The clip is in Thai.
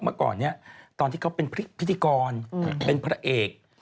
เมื่อก่อนเนี่ยตอนที่เขาเป็นพิธีกรเป็นพระเอก